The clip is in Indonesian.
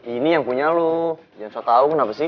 ini yang punya lo jangan sok tau kenapa sih